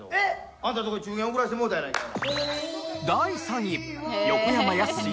あんたんとこに１０円送らせてもろたやないかい。